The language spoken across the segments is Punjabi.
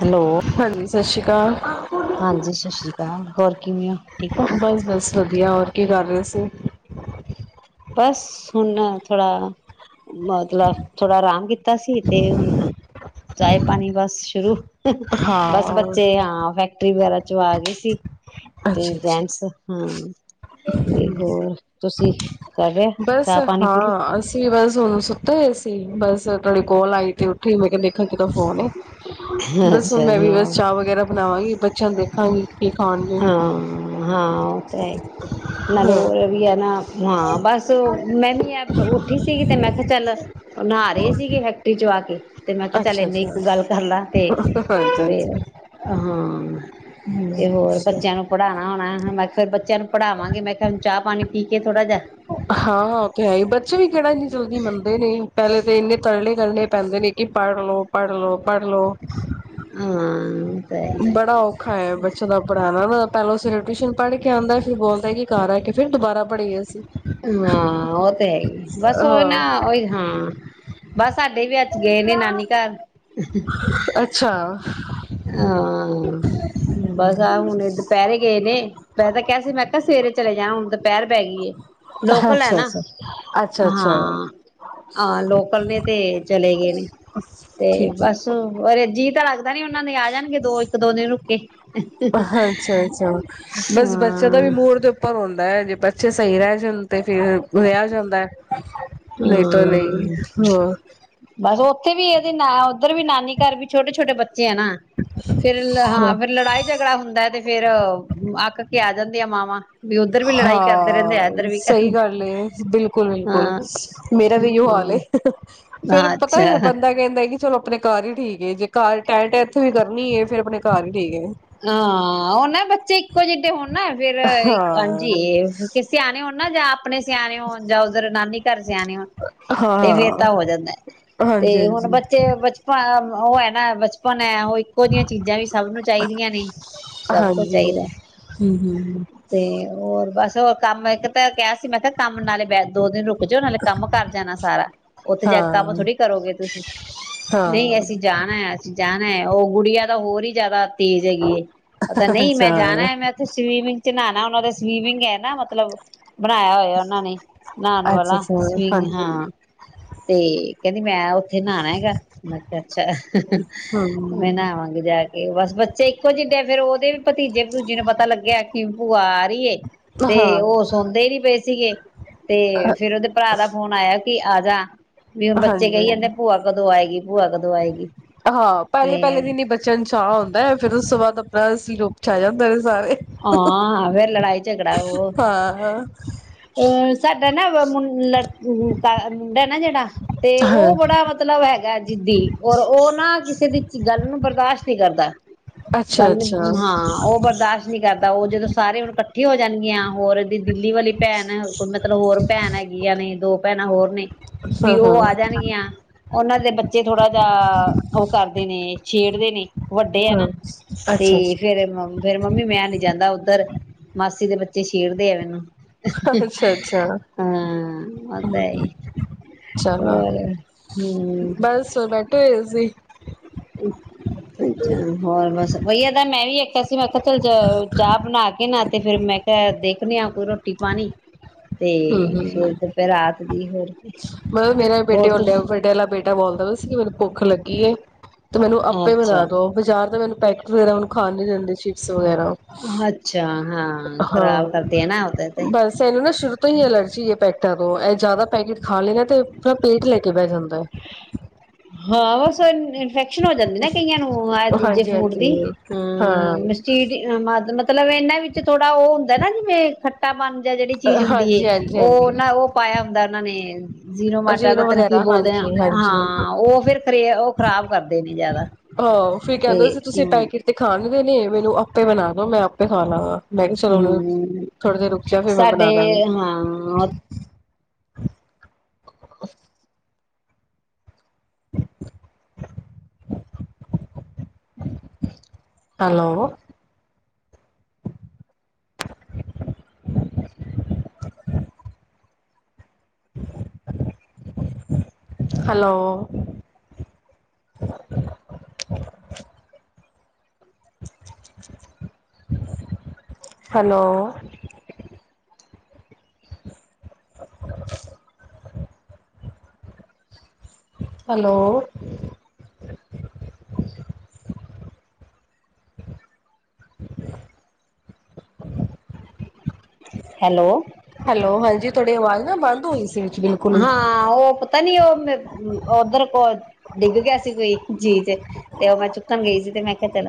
ਹੈਲੋ ਹਾਂਜੀ ਸਤਿ ਸ਼੍ਰੀ ਅਕਾਲ ਹਾਂਜੀ ਸਤਿ ਸ੍ਰੀ ਅਕਾਲ ਹੋਰ ਕਿਵੇਂ ਹੋ ਠੀਕ ਓ ਬਸ ਬਸ ਵਧੀਆ ਹੋਰ ਕੀ ਕਰ ਰਹੇ ਸੀ ਬਸ ਹੁਣ ਥੋੜਾ ਮਤਲਬ ਥੋੜਾ ਆਰਾਮ ਕੀਤਾ ਸੀ ਤੇ ਹੁਣ ਚਾਏ ਪਾਣੀ ਬਸ ਸ਼ੁਰੂ ਹਾ ਹਾ ਬਸ ਹਾਂ ਬੱਚੇ ਹਾਂ ਫੈਕਟਰੀ ਵਗੈਰਾ ਚਵਾ ਗਈ ਸੀ ਤੇ ਅੱਛਾ ਅੱਛਾ ਜੈਨਟਸ ਹਾਂ ਤੇ ਹੋਰ ਤੁਸੀਂ ਕਰ ਲਿਆ ਬਸ ਚਾਹ ਪਾਣੀ ਪੀ ਲਈ ਹਾਂ ਅਸੀਂ ਬਸ ਹੁਣ ਸੁੱਤੇ ਸੀ ਬਸ ਥੋੜੀ ਕੋਲ ਆਈ ਤੇ ਉੱਠੀ ਮੈਂ ਕਿਹਾ ਦੇਖਿਆ ਕਿਦਾ ਫੋਨ ਏ। ਬਸ ਹੁਣ ਅੱਛਾ ਮੈਂ ਵੀ ਹਾਂ ਬਸ ਚਾਹ ਵਗੈਰਾ ਬਣਾਵਾਂਗੀ ਬੱਚਿਆਂ ਨੂੰ ਦੇਖਾਂਗੀ ਕੀ ਖਾਣ ਹਾਂ ਹਾਂ ਉਹ ਤਾਂ ਹੈ ਨਾਲੇ ਹਾਂ ਉਹ ਏ ਵੀ ਹੈ ਨਾ ਹਾਂ ਬਸ ਮੈਂ ਵੀ ਉੱਠੀ ਸੀਗੀ ਤੇ ਮੈਂ ਕਿਹਾ ਚੱਲ ਨਹਾ ਰਹੇ ਸੀਗੇ ਫੈਕਟਰੀ ਚੋ ਆ ਕੇ ਤੇ ਮੈਂ ਕਿਹਾ ਚੱਲ ਅੱਛਾ ਇੰਨੀ ਅੱਛਾ ਕ ਗੱਲ ਕਰ ਲਾ ਤੇ ਅੱਛਾ ਅੱਛਾ ਫੇਰ ਹਾਂ ਤੇ ਹੋਰ ਬੱਚਿਆਂ ਨੂੰ ਪੜ੍ਹਾਉਣਾ ਹੋਣਾ ਮੈਂ ਕਿਹਾ ਬੱਚਿਆਂ ਨੂੰ ਪੜਾਵਾਂਗੇ ਮੈਂ ਕਿਹਾ ਹੁਣ ਚਾਹ ਪਾਣੀ ਪੀ ਕੇ ਥੋੜਾ ਜਿਹਾ ਹਾਂ ਹਾਂ ਉਹ ਤੇ ਹੈ ਹੀ ਬੱਚੇ ਵੀ ਕਿਹੜਾ ਜੀ ਜਲਦੀ ਮੰਨਦੇ ਨੇ ਪਹਿਲੇ ਤਾਂ ਇੰਨੇ ਤਰਲੇ ਕਰਨੇ ਪੈਂਦੇ ਨੇ ਕਿ ਪੜ੍ਹ ਲਓ ਪੜਲੋ ਪੜ੍ਹਲੋ ਹਾਂ ਤਾਂ ਬੜਾ ਔਖਾ ਹੈ ਬੱਚੇ ਦਾ ਪੜ੍ਹਾਉਣਾ ਨਾ ਪਹਿਲਾਂ ਸਵੇਰੇ ਟਿਊਸ਼ਨ ਪੜ੍ਹ ਕੇ ਆਉਂਦਾ ਫੇਰ ਬੋਲਦਾ ਕਿ ਘਰ ਆ ਕੇ ਫਿਰ ਦੁਬਾਰਾ ਪੜੀਏ ਅਸੀਂ ਹਾਂ ਉਹ ਤੇ ਹੈ ਹੀ ਬਸ ਉਹ ਨਾ ਹਾਂ ਹੀ ਹਾਂ ਬਸ ਸਾਡੇ ਵੀ ਅੱਜ ਗਏ ਨੇ ਨਾਨੀ ਘਰ ਅੱਛਾ। ਹਾਂ ਬਸ ਆਹ ਹੁਣਏ ਦੁਪਹਿਰੇ ਗਏ ਨੇ ਮੈ ਤਾਂ ਕਿਹਾ ਸੀ ਮੈਂ ਕਿਹਾ ਸਵੇਰੇ ਚਲੇ ਜਾਣਾ ਹੁਣ ਤਾਂ ਪਹਿਰ ਪੈ ਗਈ ਏ ਲੋਕਲ ਹੈ ਅੱਛਾ ਅੱਛਾ ਨਾ ਅੱਛਾ ਅੱਛਾ ਹਾਂ ਹਾਂ ਲੋਕਲ ਨੇ ਤੇ ਚਲੇ ਗਏ ਨੇ ਤੇ ਠੀਕ ਬਸ ਅਰੇਜੀਅ ਤਾਂ [unintelligible] ਇਹਨਾਂ ਦੇ ਆ ਜਾਣਗੇ ਦੋ ਇੱਕ ਦੋ ਦਿਨ ਰੁਕ ਕੇ ਹੈ ਅੱਛਾ ਅੱਛਾ ਬਸ ਬੱਚੇ ਦਾ ਵੀ ਹਾਂ। ਮੂਡ ਦੇ ਉੱਪਰ ਹੁੰਦਾ ਹੈ ਜੇ ਬੱਚੇ ਸਹੀ ਰਹਿ ਜਾਂਣ ਤੇ ਫੇਿਰ ਰਿਹਾ ਜਾਂਦਾ ਹੈ ਨਹੀਂ ਤਾਂ ਨਹੀਂ ਹਾਂ ਹੋ [unintelligible] ਉੱਧਰ ਵੀ ਨਾਨੀ ਘਰ ਵੀ ਛੋਟੇ ਛੋਟੇ ਬੱਚੇ ਆ ਨਾ ਫੇਿਰ ਹਾਂ ਫੇਿਰ ਲੜਾਈ ਝਗੜਾ ਹੁੰਦਾ ਤੇ ਫੇਰ ਅੱਕ ਕੇ ਆ ਜਾਂਦੀ ਆ ਮਾਵਾਂ ਵੀ ਉੱਧਰ ਵੀ ਲੜਾਈ ਕਰਦੇ ਰਹਿੰਦੇ ਆ ਇੱਧਰ ਹਾਂ ਵੀ ਕਰ ਸਹੀ ਗੱਲ ਬਿਲਕੁਲ ਬਿਲਕੁਲ ਹਾਂ ਮੇਰਾ ਵੀ ਇ ਹਾਲ ਹਾਂ ਫੇਰ ਪਤਾ ਅੱਛਾ ਫ ਬੰਦਾ ਕਹਿੰਦਾ ਕਿ ਚਲੋ ਆਪਣੇ ਘਰ ਹੀ ਠੀਕ ਏ ਜੇ ਘਰ ਟੈਂਟ ਇੱਥੇ ਵੀ ਕਰਨੀ ਹੈ ਫਿਰ ਆਪਣੇ ਘਰ ਹੀ ਠੀਕ ਏ ਹਾਂ ਉਹਨੇ ਬੱਚੇ ਇੱਕੋ ਜਿਹੇ ਹੋਣ ਨਾ ਫਿਰ ਜੀ ਹਾਂ ਕਿਸੇ ਆਣੇ ਹੋਣ ਨਾ [unintelligible] ਆਪਣੇ ਸਿਆਣੇ ਹੋਣ ਜਾਂ ਉੱਧਰ ਨਾਨੀ ਘਰ ਸਿਆਣੇ ਹੋਣ ਤੇ ਫੇਿਰ ਹਾਂ ਤਾਂ ਹੋ ਜਾਂਦਾ ਹਾਂਜੀ ਤੇ ਹੁਣ ਹਾਂਜੀ ਬੱਚੇ ਬਚਪਨ ਉਹ ਬਚਪਨ ਹੈ ਉਹ ਇੱਕੋ ਜਹੀਆਂ ਚੀਜ਼ਾਂ ਵੀ ਸਭ ਨੂੰ ਚਾਹੀਦੀਆਂ ਸਭ ਕੁਛ ਚਾਹੀਦਾ ਹਮ [unintelligible] [unintelligible] ਹਮ ਅਸੀਂ ਮੈਂ ਕਿਹਾ ਕੰਮ ਨਾਲੇ ਦੋ ਦਿਨ ਰੁਕ ਜਾਓ ਨਾਲੇ ਕੰਮ ਕਰ ਜਾਣਾ ਸਾਰਾ ਉੱਥੇ ਜਾ ਕੇ ਕੰਮ ਹਾਂ ਥੋੜੀ ਕਰੋਗੇ ਤੁਸੀਂ ਨਹੀਂ ਹਾਂ ਅਸੀਂ ਜਾਣਾ ਅਸੀਂ ਜਾ ਉਹ ਗੁੜੀਆ ਤਾਂ ਹੋਰ ਹੀ ਜਿਆਦਾ ਤੇਜ਼ ਹੈਗੀ ਉਹ ਤਾਂ ਅੱਛਾ ਨਹੀਂ ਮੈਂ ਜਾਣਾ ਹੈ ਮੈਂ ਉੱਥੇ ਸਵੀਮਿੰਗ ਚ ਨਾ ਨਾ ਉਹਨਾਂ ਦੇ ਸਵੀਮਿੰਗ ਹੈ ਨਾ ਮਤਲਬ ਬਣਾਇਆ ਹੋਇਆ ਉਹਨਾਂ ਨੇ ਨਉਣ ਅੱਛਾ ਵਾਲਾ ਅੱਛਾ ਸਵੀਗ ਹਾਂਜੀ ਹਾਂ ਤੇ ਕਹਿੰਦੀ ਮੈਂ, ਇੱਥੇ ਨਹਾਣਾਗਾ ਮੈਂ ਅੱਛਾ ਮੈਂ ਹੂੰ ਨਹਾਵਾਂਗੀ ਜਾ ਕੇ ਇਹ ਬਸ ਬੱਚੇ ਇੱਕੋ ਜਿੱਡੇ ਫੇਰ ਉਹਦੇ ਵੀ ਭਤੀਜੇ ਭੂਤੀਜੇ ਨੂੰ ਪਤਾ ਗਿਆ ਕਿ ਭੂਆ, ਤੇ ਹਾਂ ਉਹ ਸੁਣਦੇ ਹੀ ਪਏ ਸੀਗੇ। ਤੇ ਫੇਰ ਉਹਦੇ ਭਰਾ ਦਾ ਫੋਨ ਆਇਆ। ਕੀ ਆ ਜਾ। ਵੀ ਹੁਣ ਬੱਚੇ ਕਹੀ ਜਾਦੇ ਹਾਂਜੀ ਆ ਭੂਆ ਕਦੋਂ ਆਏਗੀ। ਭੂਆ ਕਦੋਂ ਆਏਗੀ। ਹਾਂ ਪਹਿਲੇ ਪਹਿਲੇ ਤੇ ਦਿਨ ਹੀ ਨਹੀਂ ਬਚਿਆ ਨੂੰ ਚਾਅ ਹੁੰਦਾ ਫਿਰ ਉਸ ਤੋਂ ਬਾਅਦ ਤਾ ਸੀ ਲੋਕ ਛਾ ਜਾਂਦਾ। ਹਾਂ ਵੇ ਲੜਾਈ, ਝਗੜਾ ਹੋਰ ਹਾਂ ਸਾਡੇ ਨਾ ਦਾ ਮੁ ਲਟੁ ਮੁੰਡਾ ਨਾ ਜਿਹੜਾ, ਤੇ ਹਾਂ ਉਹ ਬੜਾ ਮਤਲਬ ਹੈਗਾ। ਜਿਦੀ ਔਰ ਉਹ ਨਾ ਕਿਸੇ ਦੀ ਗੱਲ ਨੂੰ ਬਰਦਾਸ਼ਤ ਨਹੀਂ ਕਰਦਾ। ਅੱਛਾ ਗੱਲ ਅੱਛਾ ਹਾਂ ਉਹ ਬਰਦਾਸ਼ਤ, ਜਾਂ ਤਾਂ ਕਰਦਾ ਉਹ ਜਦੋਂ ਸਾਰੇ ਹੁਣ ਇਕੱਠੇ ਹੋ ਜਾਣਗੀਆਂ ਹੋਰ, ਤੇ ਦਿੱਲੀ ਵਾਲੀ ਭੈਣ ਕੋਲ ਮਤਲਬ ਹੋਰ ਭੈਣ ਹੈਗੀ ਆ ਨੇ ਦੋ, ਭੈਣਾਂ ਹੋਰ ਨੇ, ਵੀ ਹਾਂ ਉਹ ਹਾਂ ਆ ਜਾਣਗੀਆਂ ਉਹਨਾਂ ਦੇ ਬੱਚੇ ਥੋੜਾ ਜਿਹਾ ਉਹ ਕਰਦੇ ਨੇ ਛੇੜਦੇ ਨੇ ਵੱਡੇ ਆ ਹਾਂ ਨਾ ਤੇ ਅੱਛਾ ਅੱਛਾ ਫਿਰ ਮੈਂ ਨੀ ਜਾਂਦਾ ਉਧਰ ਮਾਸੀ ਦੇ ਬੱਚੇ ਛੇੜਦੇ ਆ ਮੈਨੂੰ, ਅੱਛਾ ਅੱਛਾ ਹਮ ਹਾਂ ਔ ਤਾਂ ਹੈ ਈ, ਚਲ ਬਸ ਹੋਰ ਬੈਠੇ ਹੋਏ ਸੀ। ਹੂੰ, ਪਚਾਰ ਹੋਰ ਬਸ, ਵਈਆ ਮੈਂ ਵੀ ਆਖਿਆ ਸੀ ਮੈਂ ਕਿਹਾ ਚਲ ਚਾਹ ਬਣਾ ਕੇ ਨਾ ਤੇ ਫੇਰ ਮੈਂ ਕਿਹਾ ਦੇਖਣੇ ਆ ਕੋਈ ਰੋਟੀ ਪਾਣੀ। ਤੇ ਹੂੰ ਫੇਰ ਹੂੰ ਦੁਪਹਿਰ ਰਾਤ ਦੀ ਹੋਰ ਮਤਲਬ ਮੇਰਾ ਬੇਟੇ ਹੋਰ ਵਾਲਾ ਤੁਸੀਂ ਵੱਡੇ ਆਲਾ ਬੇਟਾ ਬੋਲਦਾ ਤੁਸੀਂ ਮੈਨੂੰ ਭੁੱਖ ਲੱਗੀ। ਗੀ ਐ। ਮੈਨੂੰ ਆਪੇ ਅੱਛਾ ਬਣਾ ਦੋ ਬਾਜ਼ਾਰ ਤਾਂ ਮੈਨੂੰ ਪੈਕਟ ਵਗੈਰਾ ਮੈਨੂੰ, ਖਾਣ ਨੀ ਦਿੰਦੇ ਸੀ। ਅੱਛਾ, ਹਾਂ ਖ਼ਰਾਬ ਹਾਂ ਕਰਦੇ ਆ ਨਾ ਉਹਦੇ ਤੇ ਬਸ ਇਹਨੂੰ ਨਾ ਸ਼ੁਰੂ ਤੋਂ ਹੀ ਅਲਰਜੀ ਇਹ ਪੈਟਰਾ ਤੋ ਜ਼ਿਆਦਾ ਪੈਕਟ ਖਾ ਲੈ ਤਾ ਆਪਣਾ ਪੇਟ ਲੈ ਕੇ ਬਹਿ ਜਾਂਦਾ ਆ ਹਾਂ ਇਨਫੈਕਸ਼ਨ ਹੋ ਜਾਂਦੀ ਨਾ ਕਈਆਂ ਨੂੰ ਦੂਜੇ ਹਾਂਜੀ ਫੂਡ ਹਾਂਜੀ ਦੀ ਹਾਂ ਮਸੀਦ ਮਤਲਬ ਇਹਨਾਂ ਵਿੱਚ ਥੋੜਾ ਉਹ ਹੁੰਦਾ ਨਾ ਜਿਵੇਂ ਖੱਟਾ ਪਣ ਜਾਂ ਜਿਹੜੀ ਚੀਜ਼ ਹੁੰਦੀ ਏ ਹਾਂਜੀ ਹਾਂਜੀ ਉਹ ਹਾਂਜੀ ਨਾ ਉਹ ਪਾਇਆ ਹੁੰਦਾ ਉਹ ਉਹਨਾਂ ਨੇ ਜੀਰੋ ਮਾਟਾ ਰਤਨ ਅਜੀਨੋ ਤਨਕੀਹ ਵਗੈਰਾ ਬੋਲਦੇ ਆ ਹਾਂਜੀ ਹਾਂਜੀ ਹਾਂਜੀ ਹਾਂ ਉਹ ਫਿਰ ਉਹ ਖਰਾਬ ਕਰਦੇ ਨੇ ਜਿਆਦਾ ਉ ਹਹੋ ਫਿਰ ਕਹਿੰਦੇ ਸੀ ਤੁਸੀਂ ਪੈਕਟ ਤੇ ਖਾਣ ਨੀ ਦੇਨੇ ਮੈਨੂੰ ਆਪੇ ਬਣਾ ਦੋ ਮੈਂ ਆਪੇ ਖਾ ਲਾਗਾ। ਹਮ ਫਿਰ ਮੈਂ ਸਾਡੇ ਬਣਾ ਦਾਂਗੀ ਹਾਂ [inaudible] hello hello [inaudible] hello hello hello hello ਹਾਂਜੀ ਤੂੰਹਾਡੀ ਆਵਾਜ਼ ਨਾ ਬੰਦ ਹੋਈ ਸੀ। ਬਿਲਕੁਲ ਹੀ ਹਾਂ ਓ ਪਤਾ ਨੀ ਓਧਰ ਕੋ ਡਿੱਗ ਗਿਆ ਸੀ ਕੋਈ ਚੀਜ ਤੇ ਉਹ ਮੈਂ ਚੁੱਕਣ ਗਈ ਸੀ ਤੇ ਮੈਂ ਕਿਹਾ ਚਲ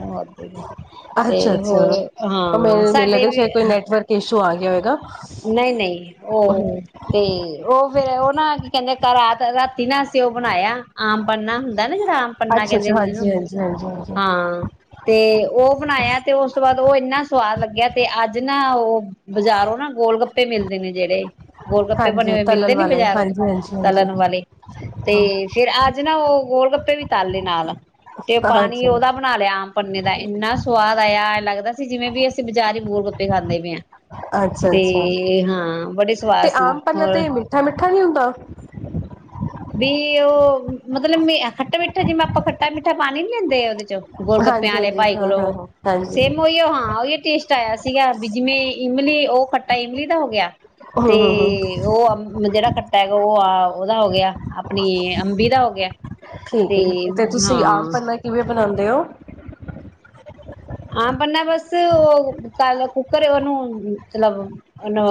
ਅੱਛਾ ਅੱਛਾ ਮ ਮੈਨੂੰ ਸਾਡੇ ਲੱਗਾ ਵੀ ਸ਼ਾਇਦ ਕੋਈ ਨੈਟਵਰਕ ਇ ਸ਼ੂ ਆਿਆ [unintelligible] ਨਹੀਂ ਨਹੀਂ ਉਹ ਤੇ ਉ ਫੇਰ ਉਹ ਨਾ ਕੀ ਕਹਿੰਦੇ ਘਰਾ ਰਾਤੀ ਨਾ ਅਸੀਂ ਉਹ ਬਣਾਇਆ ਆਮ ਪੰਨਾ ਹੁੰਦਾ ਨਾ ਜਿਹੜਾ ਪੰਨਾ ਅੱਛਾ ਕਹਿੰਦੇ ਅੱਛਾ ਨੇ ਜਿਹਨੂੰ ਹਾਂਜੀ ਹਾਂਜੀ ਹਾਂਜੀ ਹਾਂਜੀ ਹਾਂ ਤੇ ਉਹ ਬਣਾਇਆ ਤੇ ਉਸ ਤੋਂ ਬਾਅਦ ਉਹ ਇੰਨਾ ਸਵਾਦ ਲੱਗਿਆ ਤੇ ਅੱਜ ਨਾ ਉਹ ਬਾਜ਼ਾਰੋਂ ਨਾ ਗੋਲ ਗੱਪੇ ਮਿਲਦੇ ਨੇ ਜਿਹੜੇ ਗੋਲ ਗੱਪੇ ਬਣੇ ਹਾਂਜੀ ਹੋਏ ਤਲਣ ਮਿਲਦੇ ਨੀ ਵਾਲੇ ਬਾਜ਼ਾਰੋ ਹਾਂਜੀ ਹਾਂਜੀ ਤਲਣ ਹਾਂਜੀ ਵਾਲੇ, ਤੇ ਫੇਰ ਅੱਜ ਨਾ ਉਹ ਗੋਲ ਗੱਪੇ ਵੀ ਤਾਲੇ ਨਾਲ ਤੇ [inaudible] ਹਾਂ ਪਾਣੀ ਅੱਛਾ ਉਹਦਾ ਬਣਾ ਲਿਆ ਆਮ ਪੰਨੇ ਦਾ ਇੰਨਾ ਸਵਾਦ ਆਇਆ। ਲੱਗਦਾ ਸੀ ਜਿਵੇਂ ਬਈ ਅਸੀਂ ਬਜ਼ਾਰੀ ਗੋਲ ਗੁੱਪੇ ਖਾਂਦੇ ਵੇ। ਅੱਛਾ ਅੱਛਾ ਬੜੇ ਸਵਾਦ ਤੇ ਸੀ ਆਮ ਪੰਨਾ ਹੋਰ ਤੇ ਮਿੱਠਾ ਮਿੱਠਾ ਨੀ ਹੁੰਦਾ? ਵੀ ਉਹ ਮਤਲਬ ਮ ਖੱਟਾ ਮਿੱਠਾ ਜਿਵੇਂ ਆਪਾਂ ਖੱਟਾ ਮਿੱਠਾ ਪਾਣੀ ਨੀ ਲੈਂਦੇ ਆ ਉਹਦੇ ਚ। ਗੋਲਗੱਪਿਆਂ ਹਾਂਜੀ ਆਲੇ ਹਾਂਜੀ ਭਾਈ ਹਾਂ ਹਾਂ ਕੋਲੋਂ, ਹਾਂ ਹਾਂਜੀ ਸੇਮ ਉਹੀਓ ਹਾਂ ਓਈ ਟੇਸਟ ਆਇਆ ਸੀਗਾ ਵੀ ਜਿਵੇਂ ਇਮਲੀ ਉਹ ਖੱਟਾ ਇਮਲੀ ਦਾ ਹੋ ਗਿਆ। ਹੂੰ ਤੇ ਹੂੰ ਹੂੰ ਉਹ ਅਮ ਜਿਹੜਾ ਖ ਤੈ ਉਹ ਆ ਉਹਦਾ ਹੋ ਗਿਆ, ਆਪਣੀ ਅੰਬੀ ਦਾ ਹੋ ਗਿਆ। ਠੀਕ ਏ ਤੇ ਤੁਸੀਂ ਆਮ ਹਾਂ ਪੰਨਾ ਕਿਵੇਂ ਬਣਾ ਦਿਓ। ਆਮ ਪੰਨਾ ਬਸ ਉਹ ਕਲ ਕੁੱਕਰ ਉਹਨੂੰ ਮਤਲਬ ਉਹਨੂੰ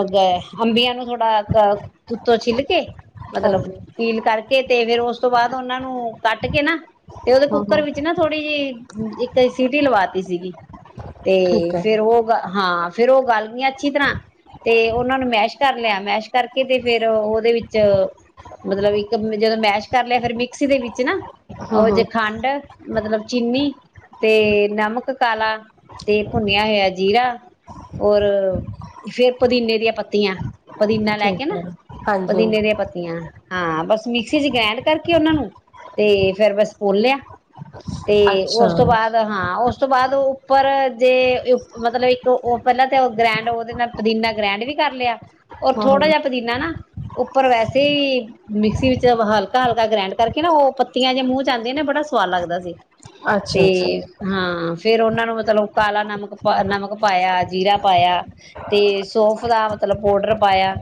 ਅੰਬੀਆਂ ਨੂੰ ਥੋੜਾ ਅੱਤੋ ਛਿੱਲ ਕੇ ਮਤਲਬ ਹਾਂਜੀ ਪੀਲ ਕਰਕੇ ਤੇ ਫੇਰ ਉਸ ਤੋਂ ਬਾਅਦ ਉਹਨਾਂ ਨੂੰ ਕੱਟ ਕੇ ਨਾ ਤੇ ਉਹਦੇ ਹੂੰ ਹੂੰ ਕੁੱਕਰ ਵਿੱਚ ਨਾ ਥੋੜ੍ਹੀ ਜਿਹੀ ਇੱਕ ਸੀਟੀ ਲਵਾਤੀ ਸੀਗੀ। ਤੇ ਠੀਕ ਹੈ ਫੇਰ ਔ ਗ, ਹਾਂ। ਹਾਂ, ਫੇਰ ਓਹ ਗੱਲ ਗਈਆਂ ਅੱਛੀ ਤਰ੍ਹਾਂ, ਤੇ ਉਹਨਾਂ ਨੂੰ ਮੈਸ਼ ਕਰ ਲਿਆ। ਮੈਸ਼ ਕਰਕੇ ਤੇ ਫੇਰ ਉਹਦੇ ਵਿੱਚ, ਮਤਲਬ ਇੱਕ ਜਦੋਂ ਮੈਸ਼ ਕਰ ਲਿਆ‌ ਫੇਰ ਮਿਕਸੀ ਦੇ ਵਿੱਚ ਨਾ ਹੂੰ ਓਹ ਜੇ ਹੂੰ ਖੰਡ ਮਤਲਬ ਚੀਨੀ ਤੇ ਨਮਕ‌ ਤਲਾ ਤੇ ਭੁੰਨਿਆ ਹੋਇਆ ਜੀਰਾ ਔਰ ਫੇਰ ਪ ਪੁਦੀਨੇ ਦੀਆਂ ਪੱਤੀਆਂ। ਪਦੀਨਾ ਲੈ ਕੇ ਠੀਕ ਨਾ, ਹੈ ਹਾਂਜੀ ਪੁਦੀਨੇ ਦੀਆਂ ਪੱਤੀਆਂ। ਹਾਂ, ਬਸ ਮਿਕਸੀ ਚ ਗ੍ਰੈਂਡ ਕਰਕੇ ਉਹਨਾਂ ਨੂੰ ਤੇ ਫੇਰ ਬਸ, ਖੋਲ ਲਿਆ। ਤੇ ਅੱਛਾ ਔਸ ਤੋਂ ਬਾਅਦ, ਹਾਂ, ਔਸ ਬਾਦ ਉੱਪਰ ਜੇ ਉ ਮਤਲਬ ਇੱਕ ਓਹ ਪੈਲਾ ਤੇ ਗ੍ਰੈਂਡ ਓਹਦੇ ਨਾਲ ਪੁਦੀਨਾ ਗ੍ਰੈਂਡ ਵੀ ਕਰ ਲਿਆ। ਔਰ ਹੂੰ ਹੂੰ ਥੋੜਾ ਜਾ ਪਦੀਨਾ ਨਾ ਉੱਪਰ ਵੈਸੇ ਈ ਮਿਕਸੀ ਵਿੱਚ ਹਲਕਾ ਹਲਕਾ ਗ੍ਰੈਂਡ ਕਰਕੇ ਨਾ ਔਹ ਪੱਤੀਆਂ ਜੇ ਮੂੰਹ ਚ ਆਉਂਦੀਐ ਨਾ ਬੜਾ ਸਵਾਦ ਲੱਗਦਾ ਸੀ। ਤੇ ਅੱਛਾ ਅੱਛਾ ਹਾਂ। ਫਿਰ ਓਹਨਾਂ ਨੂੰ, ਮਤਲਬ ਕਾਲਾ ਨਮਕ ਪਾ, ਨਮਕ ਪਾਇਆ, ਜੀਰਾ ਪਾਇਆ ਤੇ ਸੋਫ ਦਾ ਮਤਲਬ ਪੋਡਰ ਪਾਇਆ,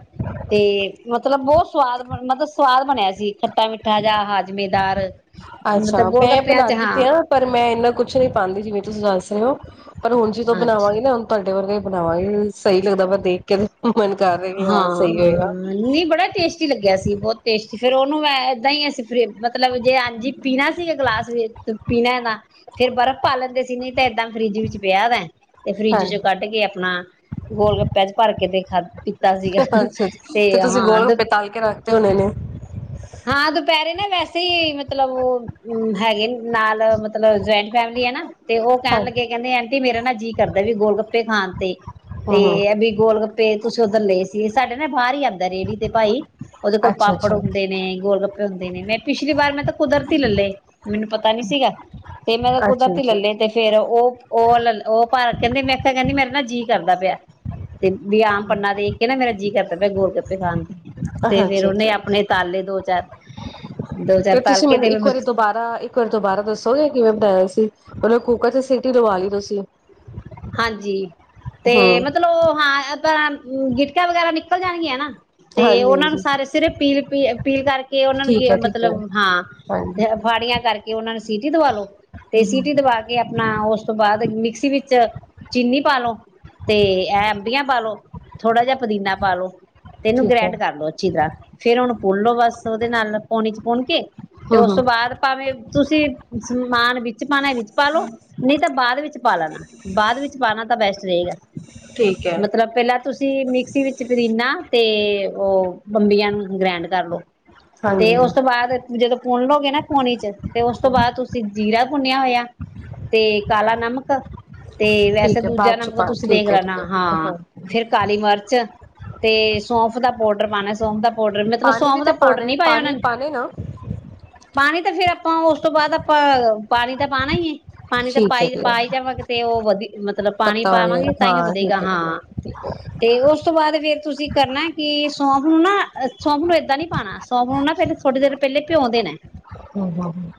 ਤੇ ਮਤਲਬ ਬਹੁਤ ਸਵਾਦ ਬਣ ਮਤਲਬ ਸਵਾਦ ਬਣਿਆ ਸੀ ਖੱਟਾ ਮਿੱਠਾ ਜਾਂ ਹਾਜ਼ਮੇਦਾਰ। ਅੱਛਾ, ਮੈਂ ਬਣਾ ਦੀ ਤੇ ਆਂ ਪਰ ਮੈਂ ਇਨਾ ਕੁੱਛ ਨ੍ਹੀਂ ਪਾਂਦੀ, ਜਿਵੇਂ ਤੁਸੀਂ ਦੱਸ ਰੇ ਹੋ। ਪਰ ਹੁਣ ਜਿਦੋਂ ਅੱਛਾ ਬਣਾਵਾਂਗੀ ਨਾ ਹੁਣ ਤੁਹਾਡੇ ਵਰਗੇ ਬਣਾਵਾਂਗੇ। ਸਹੀ ਲੱਗਦਾ ਪਿਐ, ਦੇਖ ਕੇ ਤੇ ਹਾਂ ਹਮਮ, ਨਹੀਂ ਬੜਾ ਟੇਸਟੀ ਲੱਗਿਆ ਸੀ ਬਹੁਤ ਟੇਸ ਤੇ ਫੇਰ ਉਹਨੂੰ ਮੈਂ ਏਦਾਂ ਈ ਅਸੀਂ ਫਰੀ, ਮਤਲਬ ਜੇ ਅੱਜ ਈ ਪੀਣਾ ਸੀ, ਗਲਾਸ ਚ ਪੀਣੈ ਨਾ ਫੇਰ ਬਰਫ਼ ਪਾ ਲੈਂਦੇ ਸੀ। ਨ੍ਹੀਂ ਤੇ ਏਦਾਂ ਫਰਿੱਜ ਵਿੱਚ ਪਿਆ ਵੈ। ਤੇ ਫਰਿੱਜ ਚ ਹਾਂਜੀ ਕੱਢ ਕੇ ਆਪਣਾ ਗੋਲ ਗੱਪਿਆਂ ਚ ਭਰ ਕੇ ਤੇ ਖਾਦ ਪੀ ਅੱਛਾ, ਅੱਛ। ਤੇ ਤੁਸੀਂ ਗੋਲਗੱਪੇ ਤਲ ਕੇ ਰੱਖ ਤੇ ਹੋਣੇ ਨੇ। ਹਾਂ ਦੁਪਹਿਰੇ ਨਾ ਵੈਸੇ ਈ ਮਤਲਬ ਹੈਗੇ ਨਾਲ ਮਤਲਬ ਜੁਆਇੰਟ ਫੈਮਲੀ ਹੈ ਨਾ ਤੇ ਓਹ ਕਹਿਣ ਹਮ ਲੱਗੇ ਕੈਂਦੇ ਆਂਟੀ ਮੇਰਾ ਨਾ ਜੀਅ ਕਰਦਾ ਵੀ ਗੋਲੱਗਪੇ ਖਾਣ ਤੇ, ਤੇ ਹਮ ਇਹ ਵੀ ਗੋਲਗੱਪੇ ਤੁਸੀਂ ਉਧਰ ਲਏ ਸੀ, ਸਾਡੇ ਨੇ ਬਾਹਰ ਹੀ ਆਂਦ ਰੇਹੜੀ ਦੇ ਭਾਈ, ਉਹਦੇ ਕੋਲ ਅੱਛਾ ਪਾਪੜ ਅੱਛਾ ਹੁੰ ਨੇ, ਗੋਲ ਗੱਪੇ ਹੁੰਦੇ ਨੇ ਮੈਂ ਪਿਛਲੀ ਵਾਰ ਮੈਂ ਤਾਂ ਕੁਦਰਤੀ ਲੈੇਲੈ ਮੈਨੂੰ ਪਤਾ ਨੀ ਸੀਗਾ, ਤੇ ਮੈਂ ਤਾਂ ਅੱਛਾ ਕੁਦਰਤੀ ਲੈੇਲੇ ਅੱਛਾ ਤੇ ਫੇਰ ਓਹ ਓਹ ਲ ਲ ਉਹ ਪਾ ਕਹਿੰਦੇ ਮੈਂ ਕਿਆ ਕਹਿੰਦੀ ਮੈਂ ਮੇਰ ਨਾ ਜੀਅ ਕਰਦਾ ਪਿਆ। ਤੇ ਵੀ ਆਮ ਪੰਨਾ ਦੇਖ ਕੇ ਨਾ, ਮੇਰਾ ਜੀ ਕਰ ਕਹਿਦਾ ਗੋਲ ਗੱਪੇ ਖਾ ਹਾਂਜੀ ਹਾਂਜੀ ਹਾਂ, ਦੋ ਚਾਰ ਦੋ ਚਾਰ ਤੇ ਤਲ ਤੁਸੀਂ ਕੇ ਮੈਨੂੰ ਇੱਕ ਵਾਰੀ ਦੁਬਾਰਾ ਇੱਕ ਵਾਰੀ ਦੁਬਾਰਾ ਦੱਸੋਗੇ ਕਿਵੇਂ ਬਣਾਇਆ ਸੀ। ਉਹਨੇ ਕੂਕਰ ਚ ਸਿਟੀ ਲਵਾ ਲਈ ਤੁਸੀਂ, ਹਾਂਜੀ ਤੇ ਹਮ ਮਤਲਬ ਹਾਂ, ਗਿਟਕਾ ਵਗੈਰਾ ਨਿਕਲ ਜਾਣਗੀਆਂ ਨਾ। ਤੇ ਹਾਂਜੀ ਉਹਨਾਂ ਨੂੰ ਹਾਂਜੀ ਸਾਰੇ ਸਿਰ ਪੀਲ ਪੀ ਪੀਲ ਕਰਕੇ ਉਹਨਾਂ ਨੂੰ ਠੀਕ ਗ ਹੈ ਠੀਕ ਮਤਲਬ ਹੈ ਹਾਂ ਹਾਂਜੀ ਫਾੜੀਆਂ ਕਰਕੇ ਉਹਨਾਂ ਨੂੰ, ਸਿੱਟੀ ਦਵਾ ਲੋ। ਤੇ ਹਮ ਹਮ ਸੀਟੀ ਦਵਾ ਕੇ ਆਪਣਾ ਉਸ, ਉਸ ਤੋਂ ਬਾਅਦ ਮਿਕਸੀ ਵਿੱਚ, ਚੀਨੀ ਪਾਾਲੋ ਤੇ ਐਂਬੀਆਂ ਐ ਪਾਲੋ ਥੋੜ੍ਹਾ ਜਿਆ ਪੁਦੀਨਾ ਪਾਲੋ। ਤੇ ਇਹਨੂੰ ਠੀਕ ਹੈ ਗ੍ਰੈਂਡ ਕਰ ਲੋ ਅੱਛੀ ਤਰ੍ਹਾਂ ਫੇਰ ਹੁਣ ਭੁੱਲਲੋ ਬਸ ਉਹਦੇ ਨਾਲ ਪਾਣੀ ਚ ਪੁਣ ਕੇ, ਤੇ ਹਮ ਉਸ ਹਮ ਤੋਂ ਬਾਅਦ ਭਾਵੇਂ ਤੁਸੀਂ ਸਮਾਨ ਵਿੱਚ ਪਾਣਾ ਵਿੱਚ ਪਾਾਲੋ ਨਹੀਂ ਤਾਂ ਬਾਅਦ ਵਿੱਚ ਪਾ ਲੈਣਾ। ਬਾਅਦ ਵਿੱਚ ਪਾਣਾ ਤਾਂ ਬੈਸਟ ਰਹੇਗਾ ਠੀਕ ਹੈ ਮਤਲਬ ਪਹਿਲਾਂ ਤੁਸੀਂ ਮਿਕਸੀ ਵਿੱਚ ਪਦੀਨਾ ਤੇ, ਬੰਬੀਆਂ ਨੂੰ ਗਰੈਂਡ ਕਰ ਲਓ। ਤੇ ਹਾਂਜੀ ਉਸ ਤੋਂ ਬਾਅਦ ਜਦੋਂ ਭੁਣ ਲਓਗੇ ਨਾ ਪਾਣੀ ਚ ਤੇ ਉਸ ਤੋਂ ਬਾਅਦ ਤੁਸੀਂ ਜੀਰਾ ਭੁੰਨਿਆ ਹੋਇਆ ਤੇ ਕਾਲਾ ਨਮਕ, ਤੇ ਵੈਸੇ ਠੀਕ ਹੈ ਦੂਜਾ ਬਾਅਦ ਚ ਨੰਕਾ ਪਾ ਤੁਸੀਂ ਦੇਖ ਠੀਕ ਹੈ ਠੀਕ ਲੇਨਾ ਹਾਂ ਹੈ ਹਾਂਜੀ ਫੇਰ ਕਾਲੀ ਮਿਰਚ ਤੇ ਸੌਂਫ ਦਾ, ਪੋਡਰ ਪਾਉਣਾ ਸੋਮ ਦਾ, ਪਾਡਰ ਮਤਲਬ ਪਾਣੀ ਵੀ ਸੌਂਫ ਦਾ ਤੇ ਪਾਊਡਰ ਪਾਣਾ ਨੀ ਪਾਇਆ ਉਹਨਾਂ ਪਾਣੀ ਨੇ ਪਾਣੇ ਨਾ ਪਾਣੀ ਤੇ ਫਿਰ, ਆਪਾਂ ਉਸ ਤੋਂ ਬਾਅਦ ਆਪਾਂ ਪਾਣੀ ਤਾਂ ਪਾਣਾ ਹੀ ਹੈ। ਪਾਣੀ ਤਾਂ ਠੀਕ ਹੈ ਪਾਈ ਪਾ ਠੀਕ ਜਾਵਾਂਗੇ। ਤੇ ਉਹ ਵਧੀ ਮਤਲਬ ਪਾਣੀ ਪੱਤਾ ਹੋ ਜਾਏਗਾ ਪਾਵਾਂਗੇ, ਤਾਂ ਹੀ ਹਾਂ ਵਧੇਗਾ ਠੀਕ ਹੈ ਠੀਕ ਹਾਂ ਤੇ ਉਸ ਤੋਂ ਬਾਅਦ ਫੇਰ ਤੁਸੀਂ ਕਰਨਾ ਕਿ। ਸੌਂਫ ਨੂੰ ਨਾ ਸੌਂਫ ਨੂੰ ਐਦਾ ਨੀ ਪਾਉਣਾ ਸੌਂਫ ਨੂੰ ਨਾ ਥੋੜੀ ਦੇਰ ਪਹਿਲੇ ਭਿਉਂ ਦੇਣਾ ਹੂੰ ਹੂੰ ਹੂੰ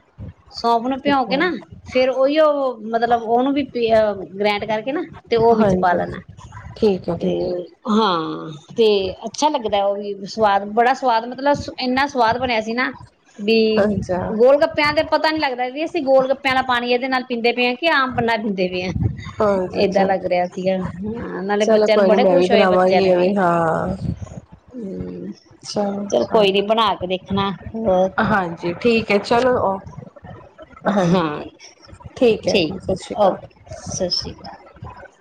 ਸੌਫ ਨੂੰ ਭਿਉ ਠੀਕ ਕੇ ਹੈ ਨਾ ਫੇਰ ਉਹੀ ਉਹ ਮਤਲਬ ਉਹਨੂੰ ਵੀ। ਵੀ ਅ ਗ੍ਰੈਂਡ ਕਰ ਕੇ ਨਾ ਤੇ ਉਹ ਵਿੱਚ ਪਾ ਹਾਂਜੀ ਲੈਣਾ। ਠੀਕ ਹੈ ਤੇ ਠੀਕ ਹੈ ਹਾਂ ਤੇ ਅੱਛਾ ਲੱਗਦਾ ਉਹ ਵੀ ਸਵਾਦ ਬੜਾ ਸਵਾਦ ਮਤਲਬ ਇੰਨਾ ਸਵਾਦ ਬਣਿਆ ਸੀ ਨਾ, ਵੀ ਅੱਛਾ ਗੋਲ ਗੱਪਿਆਂ ਤੇ ਪਤਾ ਨੀ ਲੱਗਦਾ ਵੀ ਚੀ ਗੋਲ ਗੱਪਿਆਂ ਆਲਾ ਪਾਣੀ ਇਹਦੇ ਨਾਲ ਪੀਂਦੇ ਪਏ ਆ ਕਿ ਆਮ ਪੰਨਾ ਪੀਂਦੇ [unintelligible] ਹਾਂਜੀ ਇਦਾਂ ਅੱਛਾ ਲੱਗ ਰਿਹਾ ਸੀਗਾ। ਹਾਂ, ਉਹਨਾਂ ਨੇ ਚਲੋ ਬੱਚਿਆਂ ਨੂੰ ਕੋਈ ਨੀ ਬੜੇ ਮੈਂ ਵੀ ਖੁਸ਼ ਹੋਏ ਬੱਚਿਆਂ ਬਣਾਵਾਂਗੀ ਨੇ ਵੀ। ਐਵੇਂ ਹਾਂ ਚਲੋ ਕੋਈ ਨੀ ਬਣਾ ਕੇ ਦੇਖ [unintelligible] ਹਾਂਜੀ ਠੀਕ ਐ, ਚਲੋ ਓ। ਹਾਂਜੀ। ਹਾਂ ਠੀਕ ਐ। ਸਤਿ ਸ਼੍ਰੀ ਅਕਾਲ। ਸਤਿ ਸ਼੍ਰੀ ਅਕਾਲ।